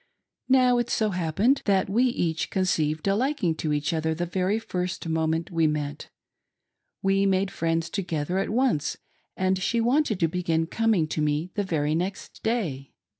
Now it so happened that we each conceived a liking to the other the very first moment we met ; we made friends together at once, and she wanted to begin coming to me the very next day.